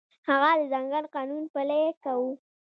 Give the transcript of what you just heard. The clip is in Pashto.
هغه د ځنګل قانون پلی کاوه.